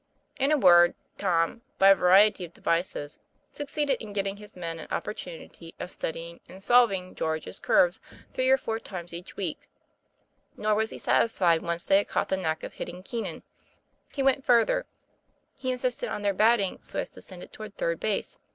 In a word, Tom, by a variety of devices, succeeded in getting his men an opportunity of studying and "solving" George's curves three or four times each week. Nor was he satisfied, once they had caught the knack of hitting Keenan. He went further; he insisted on their batting so as to send it toward third base.